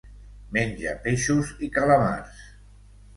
Menja peixos i calamars.